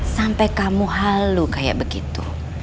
sampai kamu halo kayak begitu